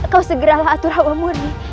kau segeralah atur hawa murni